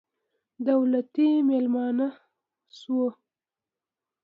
دولتي مېلمانه شوو.